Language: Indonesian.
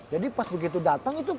jadi pas begitu datang itu